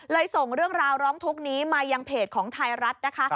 ส่งเรื่องราวร้องทุกข์นี้มายังเพจของไทยรัฐนะคะ